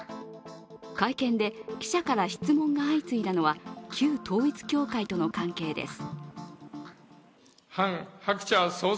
会見で記者から質問が相次いだのは旧統一教会との関係です。